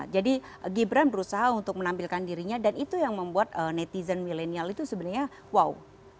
jadi gibran berusaha untuk menampilkan dirinya dan itu yang membuat netizen milenial itu sebenarnya wow